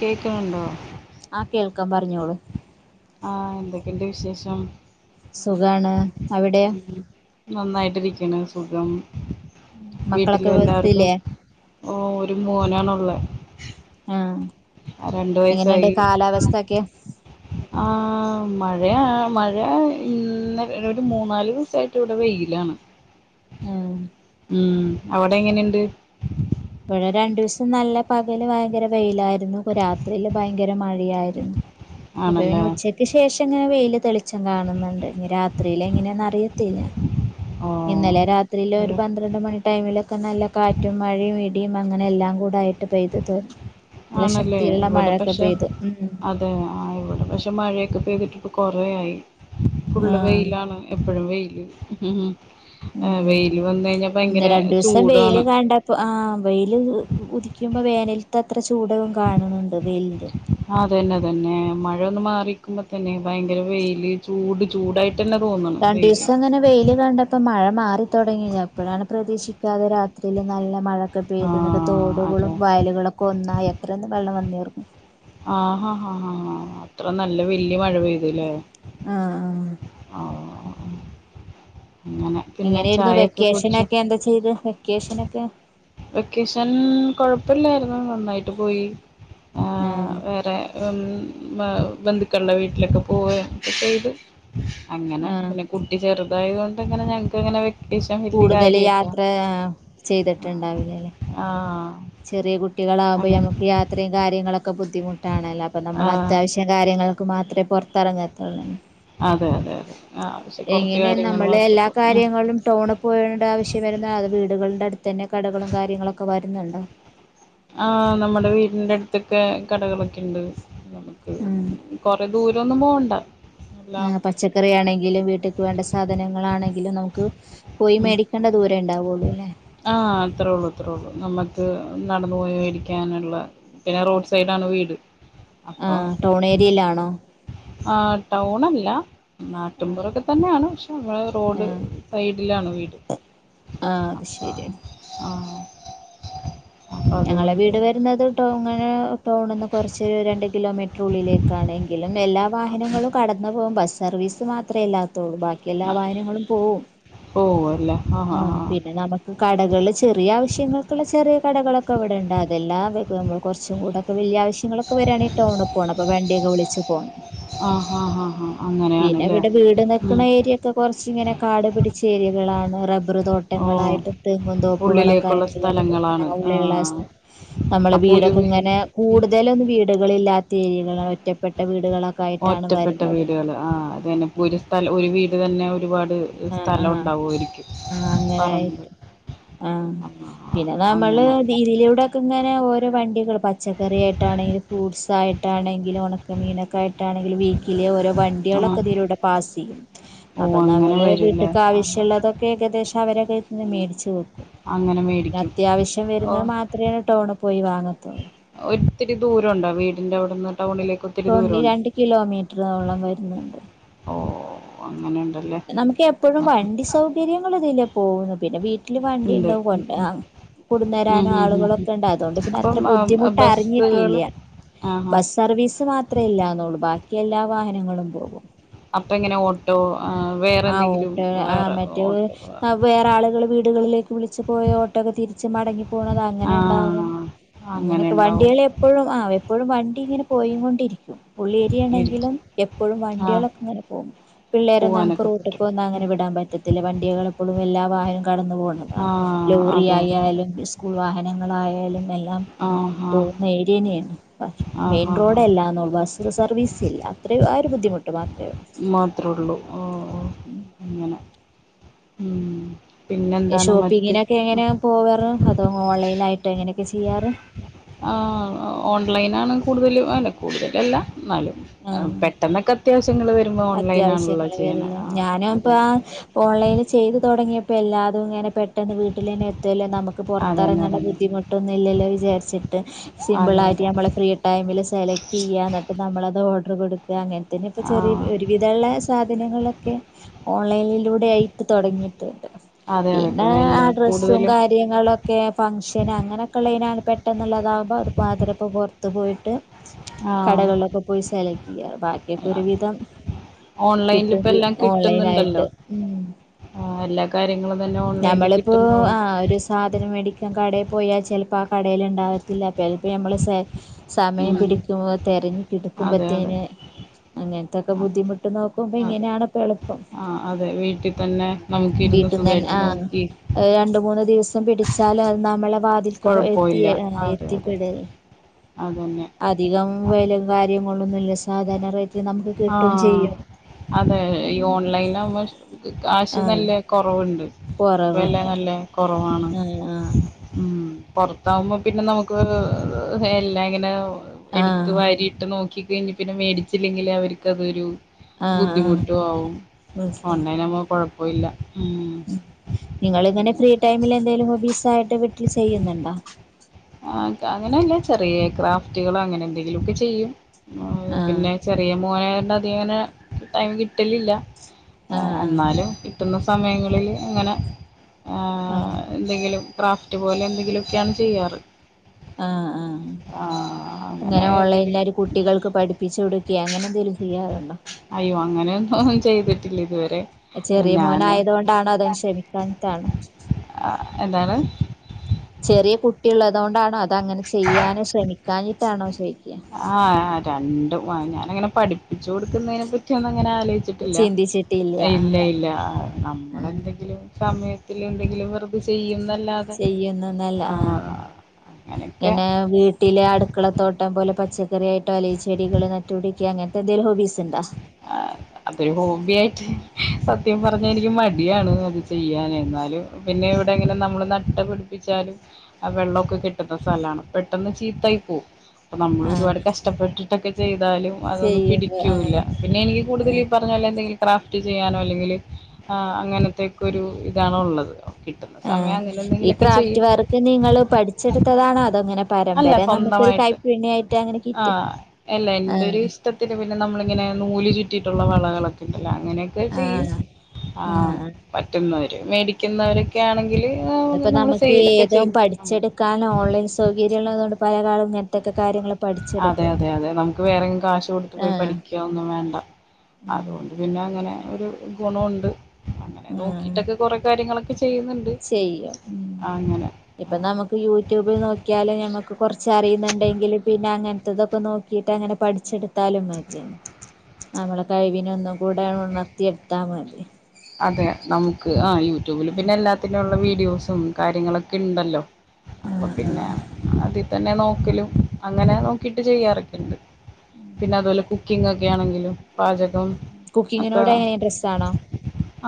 കേക്കണുണ്ടോ? ആ കേൾക്കാം പറഞ്ഞോളൂ. ആഹ് എന്തൊക്കെയണ്ട് വിശേഷം സുഖാണ് അവിടെ? നന്നായിട്ടിരിക്ണ് സുഖം മക്കളൊക്കെ വീട്ടിലും എല്ലാവർക്കും. ബസ്സില്ലേ ഓ ഒരു മോനാണള്ള ആ എങ്ങനെയണ്ട് കാലാവസ്ഥഒക്കെ? ആഹ് മഴ മഴ ഇന്നലെ ഒരു മൂന്നാല് ദിവസായിട്ട് ഇവിടെ വെയിലാണ്. ഉം ഉം അവിടെഎങ്ങനെയുണ്ട്? ഇവിടെ രണ്ടു ദിവസം നല്ല പകല് ഭയങ്കരവെയിലായിരുന്നു രാത്രിയില് ഭയങ്കര മഴയായിരുന്നു. ഇപ്പൊ പിന്നെ ആണല്ലേ ഉച്ച ച്ചക്ക് ശേഷം ഇങ്ങനെ വെയിൽ തെളിച്ചം കാണുന്നുണ്ട് ഇനിരാത്രിയില് എങ്ങനെയന്നഅറിയത്തില്ല. ഓ ഇന്നലെ രാത്രിയില് ഒരു മഴ പന്ത്രണ്ട്മണി ടൈമിലൊക്കെ നല്ല കാറ്റും മഴയു ഇ ടി അങ്ങനെ എല്ലാം കൂടെ ആയിട്ട് പെയ്തുത് നല്ല ശക്തിയുള്ള മഴൊക്കെപെയ്തു ഉ. വിടെ പക്ഷെ മഴയൊക്കെ പെയ്തിട്ട് ഇപ്പോൾ കുറേയായി ഫുള്ള് ആഹ് വെയിലാണ് എപ്പഴും വെയില്‌ ഉം ഉം വെയില് വന്ന് കഴിഞ്ഞാ ഒന്ന് ഭയങ്കര രണ്ടൂസം ചൂടുംആണ്. വെയില് കണ്ടപ്പോ ആഹ് വെയില് ഉ ഉ ഉദിക്കുമ്പോ വേനൽത്തത്രെ ചൂടും കാണ്‌ണ് ണ്ട്‌ വെയിലിന്റെ ആഹ് അത് അന്നെ അത്അന്നെ മഴയൊന്ന് മാറിക്ക്മ്പതന്നെ ഭയങ്കര വെയില്. ചൂട് ചൂടായിട്ടെന്നെ തോന്നണ് വെയില്. രണ്ടീസം അങ്ങനെ വെയില് കണ്ട- ഇപ്പ മഴ മാറി തൊടങ്ങി അപ്പഴാണ് പ്രതീക്ഷിക്കാതെ രാത്രീല് നല്ല മഴ. ക്കെ ആ പെയ്ത്‌ ഇന്ന്ട്ട്തോടുകളും അതെ വയലുകളൊക്കെ ഒന്നായ അത്രെ വള്ളം വന്ന്ഏറും. ആഹ ഹാ ഹാ ഹാാ അത്ര നല്ല വല്ല്യെ മഴ പെയ്തുലേ? ആഹ്. അഹ് ആഹ് അങ്ങനെ എങ്ങനേര്ന്നു കുടിച്ചോ വെക്കേഷനൊക്കെ എന്താ ചെയ്ത് വെക്കേഷനൊക്കെ? വെക്കേഷൻ കൊഴപ്പില്ലായിരുന്നു നന്നായിട്ട് പോയി ആഹ് വേറെ- ഇമ്.. ബ... ബന്ധുക്കൾടെ വീട്ടിലൊക്കെ പോവേം ഒക്കെ ചെയ്തു. അങ്ങനെ ആഹ് പിന്നെ, കുട്ടി ചെറ്തായതോണ്ട് ഇങ്ങനെ ഞങ്ങക്ക്ങ്ങനെ വെ- കൂടുതല് യാത്ര എ ആഹ് ചെയ്തിട്ട്ണ്ടാവില്ലല്ലേ? ആഹ്. ചെറിയ കുട്ടികളാവ്മ്പോ അങ്ങനെ ഞമ്മക്ക് യാത്രേം കാര്യങ്ങളൊക്കെ ബുദ്ധിമുട്ടാണല്ലോ അപ്പൊ ആഹ് നമ്മളത്യാവശ്യ- റ്റം കാര്യങ്ങൾക്കു മാത്രെ പൊറത്തെറങ്ങത്തൊള്ളൂ. അതെ അതെ അതെ ആഹ് പക്ഷെ കൊറച്ച്‌ കാര്യംങ്ങള് മാത്രം ഇം ടൗണ് പോകേണ്ട ആവശ്യം വരുന്ന അത് വീടുകൾടെ അട്ത്തന്നെ കടകളും കാര്യങ്ങളൊക്കെ വര്ന്നുണ്ടോ. ആഹ് നമ്മടെ വീടിന്റെ അടുത്തൊക്കെ കടകളൊക്കിണ്ട്. ഉം എല്ലാം ആഹ് പച്ച- ക്കറിയാണെങ്കിലും വീട്ട്ക്ക് വേണ്ട സാധനങ്ങളാണെങ്കിലും നമുക്ക് പോയി മേടി- ഉം നടക്കേണ്ട ദൂരേ ഇണ്ടാവൊള്ളൂലെ? ആഹ് അത്രേ ഒള്ളു അത്രേ ഒള്ളു നമ്മക്ക് നടന്ന് പോയി മേടിക്കാന്ള്ള- പിന്നെ റോഡ് സൈഡാണ്ട് വീട്. അപ്പൊ ആഹ് ടൗണേര്യേലാണോ? ആഹ്. ടൗണ്ടല്ല- ആ നാട്ടുംപൊറൊക്കതന്നാണ്. പക്ഷെ നമ്മുടെ ആ റോഡ് സൈഡിലാണ് വീട്. ആഹ് അത് അപ്പൊ ശര്യാണ്. ആഹ്. അപ്പൊ ഞങ്ങളെ അതുകൊണ്ട് വീട് വരുന്നത് ട്ടോങ്ങനെ ടൗണ്ന്ന് കൊറച്ച് രണ്ട് കിലോമീറ്റ്ര് ഉള്ളിലേക്കാണ് എങ്കിലും എല്ലാ വാഹനങ്ങളും കടന്ന്പോവും ബസ് സർവീസ് മാത്രേ ഇല്ലാത്തൊള്ളൂ. ബാക്കി എല്ലാ വാഹനങ്ങളും പോവും. ഓഹ് അഹ്‌ല്ലേ ആഹ് ആഹ് ആഹ്. പിന്നെ നമുക്ക് കടകള് ചെറിയ ആവശ്യങ്ങൾക്ക്ള്ളെ ചെറിയ കടകളൊ- ക്കെ ഇവടണ്ട്. അതെല്ലാം വെക്കും നമ്മള് കുറച്ചും കൂടൊക്കെ വല്ല്യെ ആവശ്യ- ങ്ങളൊക്കെ വരാണെങ്കി ടൗണ് പോണം. അപ്പൊ. വണ്ടിയൊക്കെ വിളിച്ച് പോണം. ആഹ് ആഹ് ആഹ് ആഹ് ആഹ് പിന്നെ അങ്ങനെയാണല്ലേ ഇവ്ടെ വീട് നിക്ക്ണ ഉം ഏര്യ- ക്കെ കൊറച്ച് ഇങ്ങനെ കാട് പിടിച്ച ഏര്യകളാണ് റബ്ബറ് തോ- ഓഹ് ട്ടങ്ങളായിട്ടും തെങ്ങും ഉള്ളിലേക്കുള്ള തോപ്പുകളൊക്കായിട്ട്ള്ളെര്ത്. സ്ഥലങ്ങളാണ് ഞങ്ങളെ- ആഹ് നമ്മളെ അപ്പൊ ഒരു വീടൊക്കെ ഇങ്ങനെ- വീട് കൂടുതലും വീടുകളില്ലാത്തേരിയകളാണ് ഒറ്റപ്പെട്ട വീടുകളൊ- ഒറ്റപ്പെട്ട വീട്കള്. ആഹ് അത് തന്നെ ഇപ്പൊ ഒരു സ്ഥല ഒരു വീട് തന്നെ ഒരുപാട്- ആഹ് ആഹ് സ്ഥലോണ്ടാവുആയിരിക്കും. ആഹ് പറമ്പ്. അങ്ങനായിട്ട് ആഹ്. ആ പിന്നെ നമ്മള് അങ്ങനെ ഇതിലൂടൊക്കെ ഇങ്ങനെ ഓരോ വണ്ടികള് പച്ചക്കറിയായിട്ടാണെങ്കിലും, ഫ്രൂട്‌സായിട്ടാണെങ്കിലും, ഒണ- ണക്കമീനൊക്കെ ആയിട്ടാണെങ്കിലും വീക്കിലെ ഓരോ ആ വണ്ട്യാളൊക്കെ ഇതിലൂടെ പാസ യ്യും. ഓ അങ്ങനെ നമ്മളെ വരൂല്ലേ വീട്ട്ക്ക് ആ ആവശ്യള്ളതൊക്കെ ഏകദേശം അവരെ കയ്യ് നിന്ന് മേടിച്ച്‌ വെക്കും. അങ്ങനെ പിന്നെ മേടിക്കും അത്യാവശ്യം ഓ വരുന്നത് മാത്രോയണ് ടനണ് പോയി വാങ്ങത്തുള്ളൂ. ഒത്തിരി ദൂരണ്ടോ വീടിന്റെ അവിടന്ന്? ടനണ്ലി രണ്ട് കിലോമീറ്ററോളം വരുന്നുണ്ട്. ഓഓഹ് അങ്ങനെ നമുക്ക് എപ്പോഴും വണ്ടി സൗകര്യങ്ങൾ ഇതിലെ പോകുന്നു പിന്നെ പി ട്ടില് വണ്ടി ഉണ്ട് ണ്ടാവും കൊണ്ട് ആഹ് ഉം ഉം കൊട്ന്നരാനോ ഉം ഉം. ആളുകളൊക്കെ ണ്ട് അതോണ്ട് പിന്നെ അപ്പം അത്ര ബുദ്ധിമുട്ട് അറിഞ്ഞിട്ടില്ല. ആഹ് ആഹ് ബസ്സ് സർവീസ് മാത്രേ ഇല്ലാന്നുള്ളൂ ബാക്കി എല്ലാ വാഹനങ്ങളും പോകും. അപ്പ എങ്ങനെ ഓട്ടോ ആഹ് വ് ആഹ് ഓട്ടോ ആഹ് മറ്റേ വേ ആഹ് വേറെ ആളുകൾ വീടുകളിലേക്ക് വിളിച്ച് പോയ ഓ ട്ടൊക്കെ തിരിച്ച് മടങ്ങി പോണത് അങ്ങനെ ണ്ടാകും ആഹ് അങ്ങനെ അങ്ങനെയൊക്കെ ഉണ്ടാവും വണ്ടികള് എപ്പഴും ആഹ് എപ്പഴും വണ്ടി ഇങ്ങനെ പോയിങ്ങോണ്ടിരിക്കും. പുള്ളേരിയാണെങ്കിലും ഇരിക്കും എപ്പഴും ആഹ് വണ്ടികളക്കെ ഇങ്ങനെ പോകും. പിള്ളേരെ ന്നും പോവാനൊക്കെ ഇപ്പോ പറ്റും ഒന്ന അങ്ങനെ വിടാൻ പറ്റത്തില്ല വണ്ടികളെ എപ്പളും എല്ലാ വാഹനും കടന്നു പോണ ആഹ് ലോറി അതെ അതെ അതെ യായാലും സ്കൂൾ വാഹനങ്ങളായാലും എല്ലാം ആഹ് ആഹ് പോകുന്ന ഏരിയനെയാണ് പക്ഷെ ആഹ് മെയിൻ ആഹ് ആഹ് റോഡല്ലാന്നോ ബസ്സ് സർവീസ് ഇല്ല അത്ര ആഹ് ഒരു ബുദ്ധിമുട്ട് മാത്രള്ളൂ. മാത്രേ ഉള്ളൂ ഓഹ് ഓഹ് ഉം അങ്ങനെ ഉം പിന്നെ എന്താണ് മറ്റേ? പോവ്റ് അതോ ഓൺലൈനായിട്ട് എങ്ങനെയൊക്കെ ചെയ്യാറ്? ഓൺലൈനാണ് കൂടുതലും അല്ല കൂടുതല അല്ല ന്നാലും ഹ് ആഹ് പെട്ടെന്നൊക്കെ അത്യാവശ്യങ്ങൾ വരുമ്പോ ഓൺലൈനാണുള്ളത് അത്യാവശ്യങ്ങള് ചെയ്യണ ആഹ് അതെ ഓലൈനിൽ ചെയ്ത് തൊടങ്ങിയപ്പേ എല്ലാതും ഇങ്ങനെ പെട്ടെന്ന് വീട്ടിലെന്നെത്തല്ലോ ന്ന നമ് അതന്നെ പൊർത്തർങ്ങേണ്ട അതന്നെ ബുദ്ധിമുട്ടൊന്നും ഇല്ലല്ലോ വിചാരിച്ചിട്ട് സിമ്പിൾ അതെ ആയിട്ട് അതെ നമ്മളെ ഫ്രീ ടൈമിൽ സെലക്ട് യ്യാ ന്നട്ട് നമ്മളത് ഓർഡർ കൊടു ക്ക അങ്ങൻ തന്നെ ഇപ്പൊ ചെറിയ ആഹ് ഒരു വിധള്ള സാധനങ്ങളൊക്കെ ഓൺലൈനിലൂടെ ആയിട്ട് തൊടങ്ങിയിട്ട് അതെ അതെ പിന്നെ ഇപ്പം എല്ലാം ആഹ് ഡ്രസ്സും കൂടുതലും കാര് ര്യങ്ങളൊക്കെ ഫങ്ഷൻ അങ്ങനെയൊക്കെ ള്ളേനാണ് പെട്ടെന്നുള്ളതാക്മ്പോ അത് പാത് രപ്പൊ പൊർത്ത് പോയിട്ട് ആഹ് കടകളിലൊക്കെ പോയി സെലക്ട് യ്യാ ബാക്കിയൊക്കെ ഒരുവിധം ഓൺലൈനിൽ ഇപ്പ കിട്ടുംങ്കി എല്ലാം ഓൺലൈനായിട്ട് കിട്ടുന്നുണ്ടല്ലോ ഉം ആഹ് എല്ലാ കാര്യങ്ങളും തന്നെ ഓൺലൈനിൽ കിട്ടുന്നോ ആഹ് ഒരു സാധനം മേടിക്കാൻ കടേ പോയാ ചെൽപ്പോ ആഹ് കടേൽ ണ്ടാവത്തില്ല. പെൽപ്പ ഞമ്മള് സേ സമയം ഉം പിടിക്കുമ്പോ തെരഞ് അതെ അതെ കിടുക്കുമ്പത്തേന് അങ്ങൻത്തൊക്കെ അതെ ബുദ്ധിമുട്ട് നോ ക്ക്മ്പോ അതെ ഇങ്ങനെയാണ് ആഹ് അതെ വീട്ട് തന്നെ നമുക്ക് ഇര്ന്ന് സുഖായിട്ട് നോക്കി. അഹ് രണ്ട്, മൂന്ന് ദിവസം പിടിച്ചാലഹ് നമ്മളെ വാതിൽക്ക് പ്പ കൊഴപ്പവില്ല എത്തിയ അതെ അതെ എത്തിപ്പെടൽ [unintelligible] അധികം വെലം കാര്യങ്ങളൊന്നുംല്ല സാധാരണ റേറ്റില് നമുക്ക് കിട്ടും ആഹ് ചെയ്യും. അതെ ഈ അങ്ങനെ ഓൺലൈൻ ആവുമ്പോ കാശ് നല്ല കൊറവ്ണ്ട്. പൊറവ്ണ്ട് കൊറവാണ്. ഉം പൊറത്താവുമ്പോ പിന്നെ നമുക്ക് എല്ലാം ഇങ്ങനെ ആ എട്ത്ത് ആ വാരി ഇട്ട് നോക്കി കഴിഞ്ഞ് പിന്നെ മേടിച്ചില്ലെങ്കിൽ അവർക്ക് അതൊരു ആഹ് ആഹ് ബുദ്ധിമുട്ടും ആവും മനസ്സിലായി ഓൺലൈന ആവുമ്പോ അഹ് കൊഴപ്പല്ല ഉം നിങ്ങൾങ്ങനെ ഫ്രീ ടൈമിൽ എന്തെലും ഹോബീസ് ആയിട്ട് വീട്ട്ൽ ചെയ്യ്ന്നുണ്ടോ? ആഹ് അങ്ങനെയല്ല ചെറിയേ ക്രാഫ്റ്റുകളോ അങ്ങനെ എന്തെങ്കിലു ഒക്കെ ചെയ്യും. ആഹ് പിന്നെ ചെറിയ മോനായിരുണ്ട് അധിക ങ്ങനെ ടൈം കിട്ടലില്ല. ആഹ് ആഹ് എന്നാലും കിട്ടുന്ന സമയങ്ങളിൽ അങ്ങനെ ആഹ് അഹ് എന്തെങ്കിലും ക്രാഫ്റ്റ് പോലെ എന്തെങ്കിലുക്കെയാണ് ചെയ്യാറ്. ആഹ് ആഹ് ആഹ് അങ്ങനെ എന്തെങ്കിലും ഓൺലൈനിലാര് കുട്ടികൾക്ക് പഠിപ്പിച്ചു കൊടുക്ക്യേ അങ്ങനെ എന്തെിലും ചെയ്യാറുണ്ടോ? അയ്യോ അങ്ങനെയൊന്നും ചെയ്തിട്ടില്ല ഇതുവരെ ചെറിയ മോൻ ഞാന് ആയത് കൊണ്ടാണോ അതിന് ക്ഷമിക്കാനട്ടാണോ? എന്താണ്? ചെറിയ കുട്ടിയള്ളതുകൊണ്ടാണോ അത് അങ്ങനെ ചെയ്യാനോ ശ്രമിക്കാനിട്ടാണോ ചോദിക്ക്യാ ആഹ് രണ്ടും ഞാനങ്ങനെ പഠി പിച്ചു കൊടുക്കുന്നതിനെ പറ്റി ഒന്നും അങ്ങനെ ആലോചിച്ചിട്ടില്ല ചിന്തിച്ചിട്ടില്ല ഇല്ല ആഹ് ഇല്ല. നമ്മള് ആഹ് എന്തെങ്കിലും സമയത്തിന് എന്തെങ്കിലും വെറ് ഇത് ചെയ്യുന്നല്ലാതെ ചെയ്യുന്നന്നല്ല ആ ആഹ് അങ്ങനെക്കെ കുട്ടില അടുക്കള തോട്ടം പോലെ പച്ചക്കറി ആയിട്ടോ അല്ലെങ്കിൽ ചെടികൾ നട്ടുപടിക്കുക അങ്ങനത്തെ എന്തെങ്കിലും ഹോബീസ് ഉണ്ടോ? ആഹ് ല്ല. അതൊരു ഹോബി ആയിട്ട് സത്യം പറഞ്ഞാ എനിക്ക് മടിയാണ് അത് ചെയ്യാന് എന്നാലും പിന്നെ ഇവിടെ എങ്ങനെ നമ്മള് നട്ട് പിടിപ്പിച്ചാലും ആഹ് വെള്ളമൊക്കെ കെട്ടുന്ന സ്ഥലാണ് പെട്ടെന്ന് ചീത്തായി പോവും. അപ്പം നമ്മൾ ആഹ് ഒരുപാട് കഷ്ടപ്പെട്ടിട്ടൊക്കെ ചെയ്താലും അതൊന്നും ചെയ്യുമ്പോ പിടിക്കൂല്ല ആഹ് പിന്നെ എനിക്ക് കൂടുതൽ ആഹ് പ നല്ലേ എന്തെങ്കിലും ക്രാഫ്റ്റ് ചെയ്യാനോ അല്ലെങ്കിൽ അ അങ്ങനെത്തെക്കെ ഒരു ഇതാണ് ഉള്ളത്. കിട്ടുന്ന സമയം അങ്ങനെ എന്തെങ്കിലുക്കെ ചെയ്യാ ത് നിങ്ങള് പഠിച്ചെടുത്തതാണോ അതങ്ങനെ അല്ല പരമ്പര നമുക്കൊരു സ്വന്തമായിട്ട് കൈപ്പുണ്ണ്യിട്ട് അങ്ങനെ കിട്ടി ആഹ്. ട്ടത്തിന് പിന്നെ നമ്മളിങ്ങനെ നൂല് ചു റ്റിയിട്ടുള്ള വളകളൊക്കെ ഉണ്ടല്ലോ അങ്ങനെയൊക്കെ ചെയ്യും ആഹ് ആഹ്. പറ്റുന്നവര് മേടിക്കുന്നവരൊക്കെ ആണെങ്കില് നമ്മള് സെയ്‌ലൊക്കെ ചെയ്യുന്നു അങ്ങ ക്കാനം ഓൺലൈൻ സൗകര്യ ഉള്ളതുകൊണ്ട് പലകാലുംഇങ അതെ അതെ അതെ നമുക്ക് വേറെങ്കിലും കാശ് കൊടുത്ത് പോയി ആഹ് പഠിക്ക ഒന്നും വേണ്ട. ആഹ് അതൊണ്ട് അത് പിന്നെ അങ്ങനെ ഒരു ഗുണമുണ്ട് അങ്ങനെ ആഹ് നോക്കിയിട്ടൊക്കെ കുറേ കാര്യങ്ങളൊക്കെ ചെയ്യുന്നുണ്ട്. ചെയ്യും ഉം അങ്ങനെ ഇപ്പൊ നമുക്ക് യൂട്യൂബിൽ നോക്കിയാല് ഞമ്മക്ക് കുറച്ച് അറിയുന്നുണ്ടെങ്കിലിൽ പിന്നെ അങ്ങനത്തതൊക്കെ നോക്കി ക്കീട്ടങ്ങനെ പഠിച്ചെടുത്താലും മതിന്ന്. നമ്മളെ കഴിവിനെ ഒന്നും കൂടെ ഉണർത്തി എടുത്താ മതി. അതെ നമുക്ക് ആഹ് യൂട്യൂബില് പിന്നെ എല്ലാത്തിനുംള്ള വീഡിയോസും കാര്യങ്ങളൊക്കെണ്ടല്ലോ? അപ്പൊ ഉം ഉം പിന്നെ ആതി തന്നെ നോക്കലും അങ്ങനെ നോക്കിട്ട് ചെയ്യാറൊക്കെണ്ട്. പിന്നെ അതുപോലെ കുക്കിംഗ് ഒക്കെ ആണെങ്കിലും പാചകം ഒക്കെ. ഡ്രസ്സ് ആണോ?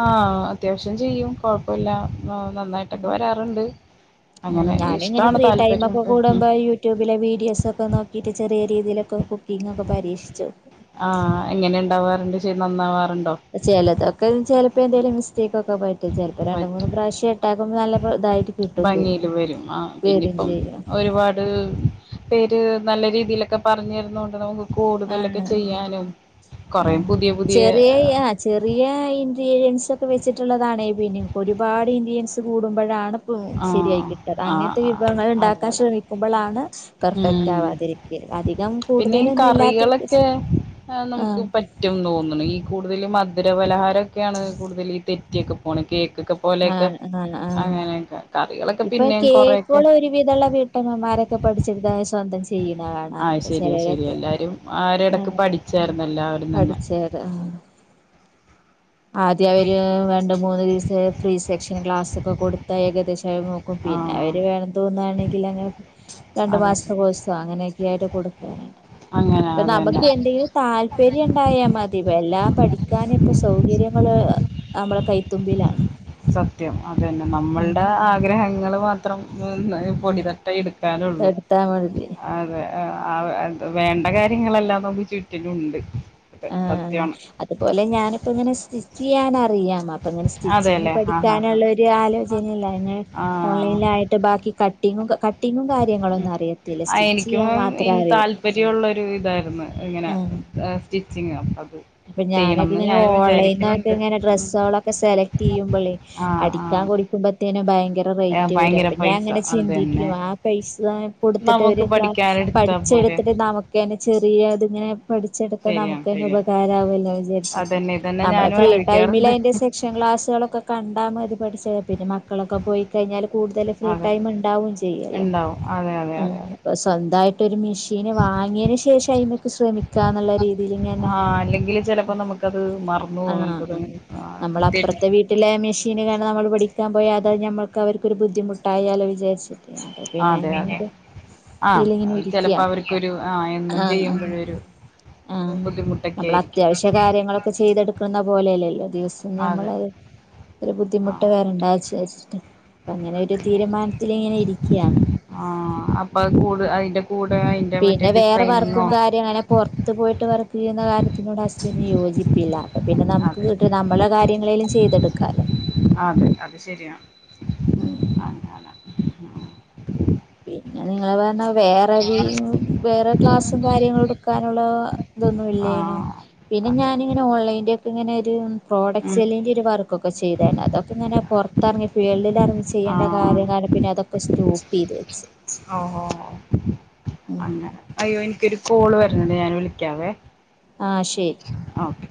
ആഹ് അത്യാവശ്യം ചെയ്യും കൊഴപ്പല്ല. നന്നായിട്ടൊക്കെ വരാറുണ്ട് അങ്ങനെ ഞാനും ഇങ്ങനെ ഇഷ്ടാണ് ഫ്രീ ടൈം താല്പര്യം ഒക്കെ ണ്ട്. കൂടുമ്പോ യൂട്യൂബിലെ വീഡിയോസൊക്കെ നോക്കിയിട്ട് ചെറിയ രീതിയിലൊക്കെ കുക്കിങ്ങൊക്കെ പരീക്ഷിച്ചു. ആഹ് എങ്ങനെ ഉണ്ടാവാറുണ്ട് ചെയ് നന്നാവാറുണ്ടോ? ചെലതൊക്കെ ചെലപ്പോ എന്തേലും മിസ്റ്റേക്കൊക്കെ പറ്റ് ചെലപ്പോ രണ്ട് മൂന്ന് പറ്റും പ്രാവശ്യം ഇട്ടാക്കുമ്പോ നല്ല ഇതായിട്ട് കിട്ടും ചെയ്യും ഭംഗിയില് വരും ആ വരയും പിന്നിപ്പം ചെയ്യാം ഒരുപാട് പേര് നല്ല രീതിയിലൊക്കെ പറഞ്ഞു തരുന്നൊണ്ട് നമക്ക് കൂടുതലൊക്കെ ആഹ് ചെയ്യാനും കൊറേ ആഹ് പുതിയ പുതിയ ചെറിയ ആഹ് ചെറിയ ഇൻഗ്രീഡിയൻസ് ഒക്കെ വെച്ചിട്ടുള്ളതാണെ പിന്നെ ഒരുപാട് ഇൻഗ്രീഡിയൻസ് കൂടുമ്പോഴാണ് ആ ശരിയായി കിട്ടത് ആ അങ്ങനത്തെ ആ വിഭവങ്ങ അതെ ഉണ്ടാക്കാൻ അതെ ശ്രമിക്കുമ്പോളാണ് പെർഫെക്റ്റ് ഉം ആവാതിരിക്ക അധികം കൂടുതലൊന്നും ഇല്ല ളെക്കെ നമുക്ക് പറ്റ് റ്റും തോന്നുണ് ഈ കൂടുതൽ മധുരപലഹാരംക്കെയാണ് കൂടുതൽ ഈ തെറ്റിയൊക്കെ പോണേ കേക്കൊക്കെ പോലെയൊക്കെ ആഹ് ആഹ് ആഹ് അങ്ങനെയൊക്കെ കറികളൊക്കെ പിന്നെയും കൊറേ ഒക്കെ. ഒരു വിധള്ള വീട്ടമ്മമാരൊക്കെ പഠിച്ചെടുത സ്വന്തം ചെയ്യുന്നതാണ് ആഹ് ശരിയാ ശരിയാ എല്ലാരും ആരിടക്ക് പഠിച്ചായിർന്നല്ലാ. പഠിച്ചത് ആദ്യം അവര് രണ്ട് മൂന്ന് ദിവസം ഫ്രീ സെക്ഷന് ക്ലാസ് ഒക്കെ കൊടുത്ത ഏകദേശം പിന്നെ ആ അവര് വേണ തോന്നയാണെങ്കിൽ അങ്ങ രണ്ടു അതെ മാസത്തെ കോഴ്സ് അങ്ങനെയൊക്കെ ആയിട്ട് കൊടുക്കാനുണ്ട് അങ്ങനെ ഇപ്പൊ അതന്നെ നമുക്ക് എന്തെലും താല്പര്യം ഉണ്ടായാ മതി എല്ലാം പഠിക്കാൻ ഇപ്പ സൗകര്യങ്ങള് നമ്മളെ കൈത്തുമ്പിലാണ്. സത്യം അത് തന്നെ ഉം നമ്മളുടെ ആഗ്രഹങ്ങൾ മാത്രം. ത്രം പൊടി ഉം തട്ട എടുക്കാനുള്ളൂ. എടുത്താ മതി അതെ ആ ആഹ് വേണ്ട കാര്യങ്ങളെല്ലാം നമുക്ക് ചുറ്റിലുണ്ട്. ആഹ് സത്യമാണ് അതുപോലെ ഞാനിപ്പോ ഇങ്ങനെ സ്റ്റിച്ച് ചെയ്യാൻ അറിയാം. അപ്പ ഇങ്ങനെ സ്റ്റിച്ചിങ് അതെല്ലേ ആ ആ ആ പഠിക്കാനുള്ള ഒരു ആലോചനല ആ ഓൺലൈനിലായിട്ട് ബാക്കി ക ട്ടിങ്ങും കട്ടിങ്ങും കാര്യങ്ങളും ഉം. ഒന്നും അറിയത്തില്ല സ്റ്റിച്ച് ചെയ്യാൻ മാത്രം അറിയും താല്പര്യം ഉള്ള ഒരു ഇതായിരുന്നു ഇങ്ങനെ ആഹ് സ്റ്റിച്ചിങ് അത് അപ്പൊ ഞാനൊക്കെ ചെയ്യണംന്ന് ഇങ്ങനെ ഞാനും ഓൺലൈനിലൊക്കെ വിചാരിക്കുന്നുണ്ട് ഇങ്ങനെ ഡ്രസ്സുകളൊക്കെ സെലക്ട് ചെയ്യുമ്പോളേ ആ ആ അടിക്കാൻ കു തുമ്പത്തേനെ ഭയങ്കര ഏ, റൈറ്റ് വരും ഭയങ്കര അപ്പോ പൈസ ഞാൻങ്ങനെ അതന്നെ ചിന്തിക്കും ആ പൈസ നമുക്ക് കൊടുത്തിട്ട് പഠിക്കാനെടുത്താ പോരെ പഠിച്ചെടുത്തിട്ട് നമുക്കന്നെ ചെറിയ അതിങ്ങനെ പഠിച്ചെടുത്താൽ ശരിയാണ് നമുക്ക് തന്നെ ശരിയാണ് ഉപകാരമാവല്ലോ വിചാരിച്ചിട്ട് അതന്നെ ഇതന്നെ നമ്മെടെ ഞാനും ഫ്രീ ടൈമിൽ ആലോചിക്കാറുണ്ട് അതിന്റെ സെക്ഷ ക്ഷൻ ക്ലാസുകളൊക്കെ കണ്ടാൽ മതി പഠിച്ചത് പിന്നെ മക്കളൊക്കെ പോയി കഴിഞ്ഞാൽ കൂടുതൽ ഫ്രീ അതെ ടൈം ഉണ്ടാവും ചെയ്യല്ലോ ഉണ്ടാവും അതെ അതെ അതെ ആഹ് അതെ പ്പോ സ്വന്തമായിട്ട് ഒരു മെഷീന് വാങ്ങിയതിന് ശേഷം അതിനൊക്കെ ശ്രമിക്കാന്നുള്ള രീതിൽ ഇങ്ങനെ ആ അല്ലെങ്കിൽ ചിലപ്പോ നമുക്കത് മറന്നു പോകും ആഹ് നമുക്കത് നമ്മള കൃത്യായിട്ട് അപ്പുറത്തെ വീട്ട വീട്ടില മെഷീന് കാരണം നമ്മൾ പഠിക്കാൻ പൊയ അത്‌ നമ്മൾക്ക് അവർക്കൊരു ബുദ്ധിമുട്ടായാലോ വിചാർച് അപ്പൊ പിന്നെ അങ്ങന് ആഹ ചിലപ്പോ അവർക്കൊരു ആ എന്നും ആഹ് ആഹ് ചെയ്യുമ്പോഴരു ആഹ് നമ്മൾ അത്യാവശ്യ കാര്യങ്ങളൊക്കെ ചെയ്തടുക്ക ക്കുന്ന പോലെല്ലല്ലോ ദിവസം അതെ ഞമ്മൾത് ഒരു ആ ബുദ്ധിമുട്ടുവരണ്ട വിചാരിച്ചിട്ട് അപ്പൊ അങ്ങനെ ഒരു തീരുമാനത്തിൽ ഇങ്ങനെ ഇരിക്കുകയാണ് ആഹ് അപ്പൊ കൂടെ അതിന്റെ കൂടെ അതിന്റെ മറ്റേ ഡിസൈനിങ്ങോ ങ്ങനെ പുറത്തു ത്ത് പോയിട്ട് വർക്ക് ചെയ്യുന്ന കാര്യത്തിനോട് ഹസ്ബന്റിന് യോജിപ്പില്ല അപ്പ പിന്നെ നമുക്ക് അതെ വീട്ട് നമ്മള കാര്യങ്ങളേല്ലാം ചെയ്തിട്ട് എടക്കാലോ അതെ അത് ശരിയാണ് ഉം അങ്ങനെ പിന്നെ നിങ്ങള് പറഞ്ഞ വേറെ വേറെ ക്ലാസ്സും കാര്യങ്ങളും എടുക്കാനുള്ള ആ ഇതൊന്നുംല്ലേനോ പിന്നെ അതെ അതെ ഞാനിങ്ങനെ ഓൺലൈന്റെ ഇങ്ങനെ ഒരു പ്രോഡക്റ്റ് ഉം സെല്ലിൻ്റെ ഒരു വർക്കൊക്കെ ചെയ്തട്ടുണ്ട് അതൊക്കെ ഇങ്ങനെ പുറത്തിറങ്ങി ഫീൽഡിൽ ചെയ്യേണ്ട കാര്യം കാരണം പിന്നെതൊക്കെ സ്റ്റോപ്പ് ചെയ്ത് വെച്ച് ആഹ് ആഹ് ഓഹോ ഉം അങ്ങനെ അയ്യോ എനിക്കൊരു കാൾ വരുന്നുണ്ട് ഞാൻ വിളിക്കാവേ ആഹ് ശരി. ആഹ് ഓക്കെ.